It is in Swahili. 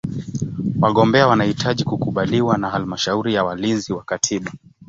Wagombea wanahitaji kukubaliwa na Halmashauri ya Walinzi wa Katiba.